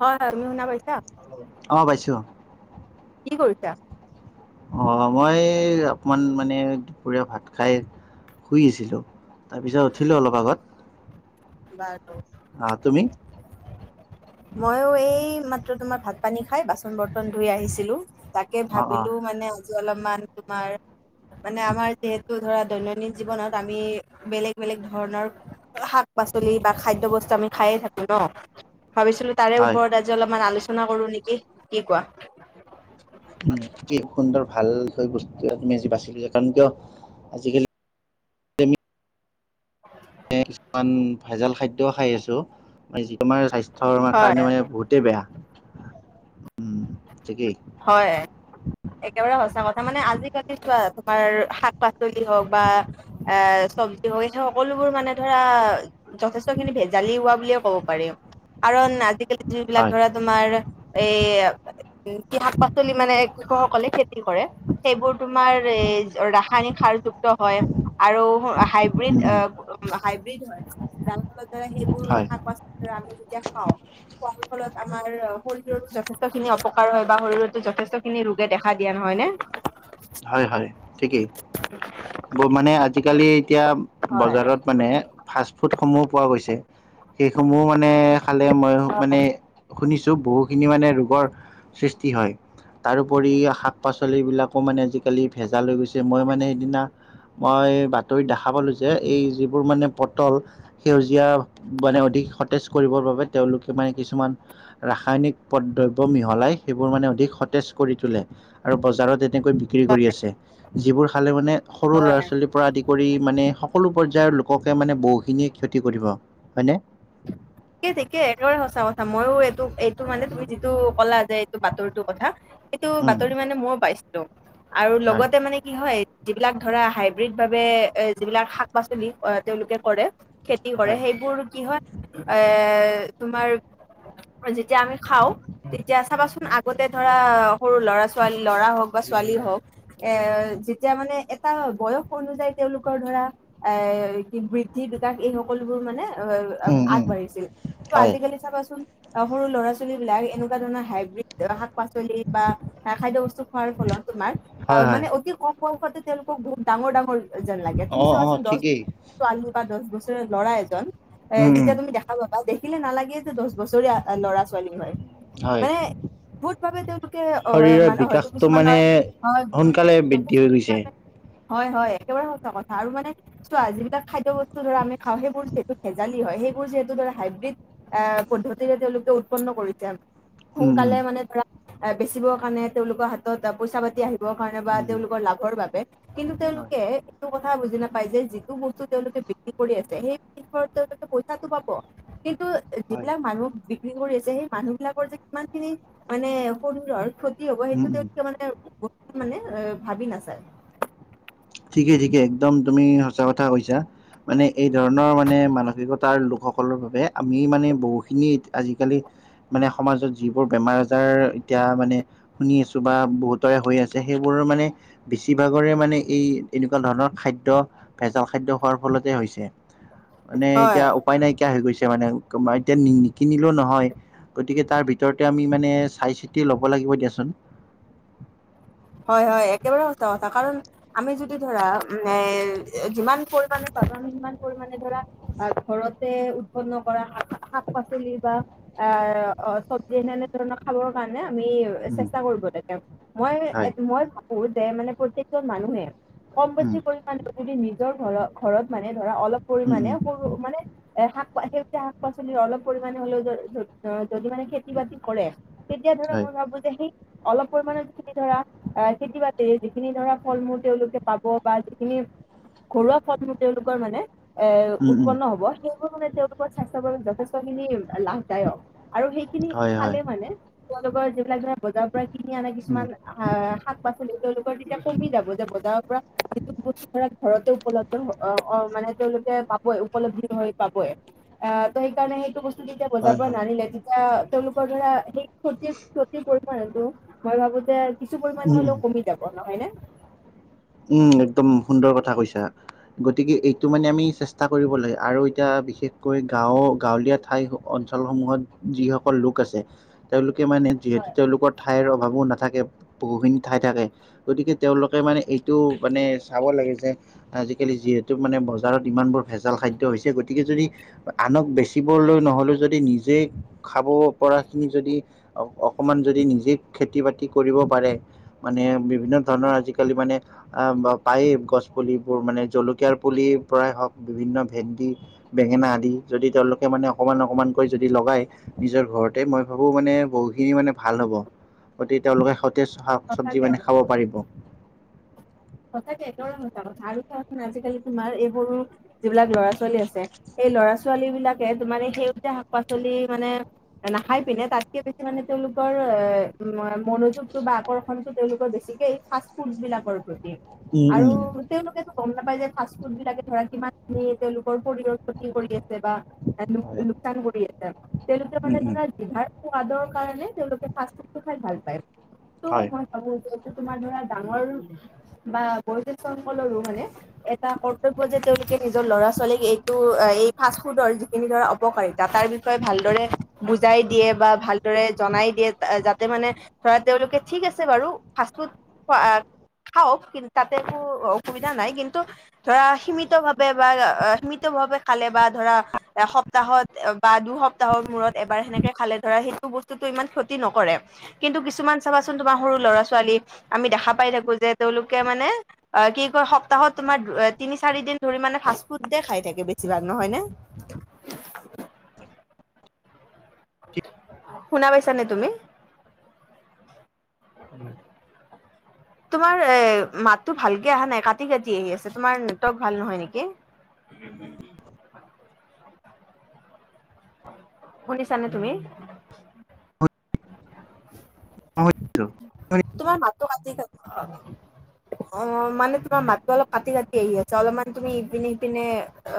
হয় হয় তোমি শুনা পাইছা অঁ পাইছোঁ কি কৰিছা অ মই অকমান মানে দুপৰীয়া ভাত খাই শুই আছিলোঁ তাৰপিছত উঠিলোঁ অলপ আগত আহ তুমি [unintelligible] মইো এই মাত্ৰ তোমাৰ ভাত পানী খাই বাচন বৰ্তন ধুই আহিছিলো তাক তাকে অ অ ভাবিলো মানে আজি অলপমান তোমাৰ মানে আমাৰ যিহেতু ধৰা দৈনন্দিন জীৱনত আমি বেলেগ বেলেগ ধৰণৰাত শাক পাচলি বা খাদ্য বস্তু আমি খাইে থাকো ন ভাবিছিলো তাৰে হয় ওপৰত অলপমান আলোচনা কৰো নেকি কি কোৱা কি সুন্দৰ ভাল বস্তু এ তুমিজি বাচিলো যে কাৰণ কিয় আজিকালি [unintelligible] ভেজাল খাদ্য খাই আছো যি তমাৰ স্বাস্থ্যয় হয় কাৰণে মানে বহুতে বেয়া ঠিকেই হয় একেবাৰে সঁচা কথা মানে আজিকালি চোৱা তোমাৰ সাত পাচলি হওক বা এ চব্জি হওক এই হওক সকলোবোৰ মানে ধৰা যথেষ্ট খিনি ভেজালি হোৱা বুলিয়ে ক'ব পাৰি কাৰণ আজিকালি যিবিলাক হয় ধৰা তোমাৰ এই শাক পাচলি মানে কৃষকসকলে খেতি কৰে সেইবোৰ তোমাৰ এ ৰাসায়নিক সাৰযুক্ত হয় আৰু হাইব্ৰীড উম আহ হাইব্ৰীড হয়, যাৰ ফলত দৰে সেইবোৰ হয় শাক পাচলি ৰা আমি যেতিয়া খাওঁ, খোৱাৰ ফলত আমাৰ শৰীৰৰ যথেষ্ট খিনি অপকাৰ হয় বা শৰীৰতো যথেষ্ট খিনি ৰোগে দেখা দিয়া, নহয় নে? হয়, হয়, ঠিকেই। ব মানে আজিকালি এতিয়া হয় বজাৰত মানে ফাষ্ট ফুডসমূহ পোৱা গৈছে। সেইসমূহ মানে খালে, মই মানে শুনিছো বহুত খিনি মানে ৰোগৰ সৃষ্টি হয়, তাৰোপৰি শাক পাচলিবিলাকো মানে আজিকালি ভেজাল হৈ গৈছে। মই মানে ইদিনা মই বাতৰিত দেখা পালো যে, এই যিবোৰ মানে পটল সেউজীয়া মানে অধিক সতেজ কৰিবৰ বাবে তেওঁলোকে মানে কিছুমান ৰাসায়নিক প দ্ৰব্য মিহলাই সেইবোৰ মানে অধিক সতেজ কৰি তোলে আৰু বজাৰত এনেকৈ বিক্ৰী কৰি আছে। যিবোৰ খালে মানে সৰু হয় ল'ৰা ছোৱালী পৰা আদি কৰি মানে সকলো পৰ্যায়ৰ লোককে মানে বহুখিনিয়ে ক্ষতি কৰিব। হয়নে? ঠিকে ঠিকে, একেৰে সঁচা কথা। মইও এইটো এইটো মানে তুমি যিটো কলা যে এইটো বাতৰিটো কথা টো উম, বাতৰি মানে মইও পাইছিলো আৰু হয়, লগতে মানে কি হয় যিবিলাক ধৰা হাইব্ৰীড ভাবে এ যিবিলাক শাক পাচলি তেওঁলোকে কৰে কি কৰে, হয়, সেইবোৰ কি হয় এ তোমাৰ যেতিয়া আমি খাও, তেতিয়া চাবাচোন আগতে ধৰা সৰু ল'ৰা ছোৱালী, ল'ৰা হওক বা ছোৱালী হওক। এ যেতিয়া মানে এটা বয়স অনুযায়ী তেওঁলোকৰ ধৰা এ কি বৃদ্ধি বিকাশ এই সকলোবোৰ মানে উম, আগ উম, বাঢ়িছিল। টো হয়, আজি কালি চাবাচোন অ, সৰু ল'ৰা ছোৱালী বিলাক এনেকুৱা ধৰণৰ হাইব্ৰীড শাক পাচলি বা খাদ্য বস্তু খোৱাৰ ফলত তোমাৰ অ হয়, হয়, মানে অতি কম বয়সতে তেওঁলোকক বহুত ডাঙৰ ডাঙৰ যেন লাগে। তুমি অ', অ', চাবাচোন দহ ঠিকেই। ছোৱালী বা দহ বছৰ ল'ৰা এজন এ উম, উম, যেতিয়া তুমি দেখাব পাবা, দেখিলে নালাগে যে দহ বছৰীয়া ল'ৰা ছোৱালী হয়। হয়। মানে বহুত ভাৱে তেওঁলোকে অ শৰীৰৰ মানে হয়তো বিকাশটো মানে কিছুমানৰ সোনকালে বৃদ্ধি হৈ গৈছে। [unintelligible] হয় হয়, একেবাৰে সঁচা কথা আৰু মানে চোৱা যিবিলাক খাদ্য বস্তু ধৰা আমি খাও, সেইবোৰ যিহেতু ভেজালি হয়। সেই বোৰ যিহেতু ধৰা হাইব্ৰীড এ পদ্ধতিৰে তেওঁলোকে উৎপন্ন কৰিছে। উম, উম, সোনকালে মানে ধৰা বেচিবৰ কাৰণে তেওঁলোকৰ হাতত পইচা পাতি আহি ব কাৰণে বা উম, তেওঁলোকৰ লাভৰ বাবে কিন্তু হয়, তেওঁলোকে এইটো কথা বুজি নাপায় যে, যিটো বস্তু তেওঁলোকে বিক্ৰী কৰি আছে, সেই [unintelligible] তাতো পাব কিন্তু হয়, যিবিলাক মানুহ বিক্ৰী কৰি আছে। সেই মানুহ বিলাকৰ যে কিমান খিনি মানে শৰীৰৰ ক্ষতি তি হ'ব, উম, সেইটো উম। তেওঁলোকে মানে মানে এ ভাবি নাচায়। ঠিকে ঠিকে, একদম তুমি সঁচা কথা কৈছা। মানে এই ধৰণৰ মানে মানসিকতাৰ লোকসকলৰ বাবে আমি মানে বহুখিনি আজিকালি মানে সমাজত যিবোৰ বেমাৰ আজাৰ এতিয়া মানে শুনি আছো বা বহুতৰে হৈ আছে। সেইবোৰৰ মানে বেছিভাগৰে মানে এই এনেকুৱা ধৰণৰ খাদ্য, ভেজাল খাদ্য খোৱাৰ ফলতে হৈছে। মানে হয় এতিয়া উপায় নাইকিয়া হৈ গৈছে মানে, এতিয়া নিকিনিলেও নহয়। গতিকে তাৰ ভিতৰতে আমি মানে চাই চিতি ল'ব লাগিব দিয়াচোন। হয় হয়, একেবাৰে সচা কথা কাৰণ আমি যদি ধৰা এ যিমান পৰিমাণে পাবা আমি সিমান পৰিমাণে ধৰা আৰু ঘৰতে উৎপন্ন কৰা শাক পাচলি বা অ অ চব্জি এনে ধৰণৰ খাব মানে আমি উম, চেষ্টা কৰিব, তাকে মই হয় মই ভাবো যে মানে প্ৰত্যেক জন মানুহে কম উম বেছি পৰিমাণে। যদি নিজৰ ঘৰত ঘৰত মানে ধৰা অলপ উম পৰিমানে উম সৰু মানে এ শাক সেউজীয়া শাক পাচলিৰ অলপ পৰিমাণে হলেও অ যদি মানে খেতি বাতি কৰে। তেতিয়া ধৰা হয় মই ভাবো যে সেই অলপ পৰিমাণে ধৰা অঁ খেতি বাতিৰে যিখিনি ধৰা ফল মূল তেওঁলোকে পাব বা যিখিনি ঘৰুৱা ফল মূল তেওঁলোকৰ মানে এ উম উম উৎপন্ন হ'ব, সেইবোৰ মানে তেওঁলোকৰ স্বাস্থ্যৰ বাবে যথেষ্টখিনি লাভ দায়ক, আৰু সেইখিনি হয় হয় খালে মানে তেওঁলোকৰ যিবিলাক ধৰা বজাৰৰ পৰা কিনি আনে উম। কিছুমান শা শাক-পাচলি তেওঁলোকৰ তেতিয়া কমি যাব, তেতিয়া বজাৰৰ পৰা বস্তুটো ধৰা ঘৰতে উপলব্ধ হব অঁ অঁ মানে তেওঁলোকে পাবই উপলব্ধি হৈ পাবই। অঁ, ত সেইকাৰণে সেইটো বস্ত কেইটা হয় বজাৰৰ পৰা নানিলে, তেতিয়া তেওঁলোকৰ ধৰা সেই ক্ষতিৰ ক্ষতিবোৰ কৰে তো। মই ভাবো যে কিছু পৰিমাণে হয় হলেও কমি যাব নহয় নে? উম', একদম সুন্দৰ কথা কৈছা। গতিকে, এইটো মানে আমি চেষ্টা কৰিব লাগে আৰু এতিয়া বিশেষকৈ গাঁও গাঁৱলীয়া ঠাই অঞ্চলসমূহত যিসকল লোক আছে। তেওঁলোকে মানে যিহেতু তেওঁলোকৰ ঠাইৰ অভাৱো নাথাকে। বহুখিনি ঠাই থাকে, গতিকে তেওঁলোকে মানে এইটো মানে চাব লাগে যে আজিকালি যিহেতু মানে বজাৰত ইমানবোৰ ভেজাল খাদ্য হৈছে, গতিকে যদি আনক বেচিবলৈ নহলেও যদি, নিজে খাব পৰা খিনি যদি অ অকণমান যদি নিজে খেতি- বাতি কৰিব পাৰে। মানে বিভিন্ন ধৰণৰ আজিকালি মানে আহ বা পায়েই গছ পুলিবোৰ মানে জলকীয়াৰ পুলিৰ পৰাই হওঁক বিভিন্ন ভেন্দি বেঙেনা আদি। যদি তেওঁলোকে মানে অকমান অকমানকৈ যদি লগাই নিজৰ ঘৰতে মই ভাবো মানে বহুখিনি মানে ভাল হ'ব। গতিকে তেওঁলোকে সতেজ চব্জি সঁচাকে মানে খাব পাৰিব। সঁচাকে একদমে সঁচা কথা আৰু চোৱা চোন আজিকালি তোমাৰ এইবোৰো যিবিলাক ল'ৰা ছোৱালী আছে। সেই ল'ৰা ছোৱালী বিলাকে তোমাৰ এই সেউজীয়া শাক-পাচলি মানে নাখায় পিনে তাতকে বেছি মানে তেওঁলোকৰ এ, মনোযোগটো বা আকৰ্ষণটো তেওঁলোকৰ বেছিকেই ফাষ্ট ফুড্ বিলাকৰ ওপৰত। হু' উম আৰু উম তেওঁলোকেটো গম নাপায় যে ফাষ্ট ফুড্ বিলাকে ধৰা কিমান যে তেওঁলোকৰ শৰীৰৰ ক্ষতি কৰি আছে বা লোক হয় লোকচান কৰি আছে। তেওঁলোকে উম মানে উম ধৰা জিভাৰ সোৱাদৰ কাৰণে তেওঁলোকে ফাষ্ট ফুডটো খাই ভাল পায়। তু মই আৰু যিহেতু তোমাৰ ধৰা ডাঙৰ বা বয়োজ্যেষ্ঠ সকলৰো মানে এ টা কৰ্তব্য যে তেওঁলোকে নিজৰ ল'ৰা ছোৱালীক, এইটো এই ফাষ্ট ফুডৰ যিখিনি ধৰা উপকাৰীতা তাৰ বিষয়ে ভালদৰে বুজাই দিয়ে বা ভালদৰে জনাই দিয়ে, যাতে মানে ধৰা তেওঁলোকে ঠিক আছে বাৰু ফাৰ্ষ্ট ফুড খোৱা খাওঁক, কিন্তু তাতে একো অসুবিধা নাই কিন্তু ধৰা, সীমিত ভাৱে বা সীমিত ভাৱে খালে বা ধৰা এসপ্তাহত বা দুসপ্তাহৰ মূৰত এবাৰ সেনেকে খালে ধৰা সেইটো বস্তুতটো ইমান ক্ষতি নকৰে। কিন্তু কিছুমান চাবাচোন তোমাৰ সৰু ল'ৰা- ছোৱালী আমি দেখা পাই থাকো যে তেওঁলোকে মানে অঁ কি কয় সপ্তাহত তোমাৰ তিনি, চাৰি দিন ধৰি মানে ফষ্ট ফুডে খাই থাকে বেছি ভাগ নহয় নে? শুনা পাইছা নাই তুমি? [unintelligible] তোমাৰ এই মাতটো ভালকে অহা নাই কাটি কাটি আহি আছে তোমাৰ নেটৱৰ্ক ভাল নহয় নেকি? উম' শুনিছা নে তুমি? হয় তোমাৰ মাতটো কাটি, কাটি অহ। অহ, মানে তোমাৰ মাতটো অলপ কাটি কাটি আহি আছে। অলপমান তুমি ইপিনে -সিপিনে।